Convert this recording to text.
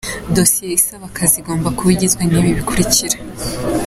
Dossier isaba akazi igomba kuba igizwe n’ibi bikurikira :